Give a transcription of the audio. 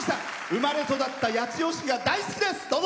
生まれ育った八千代市が大好きです。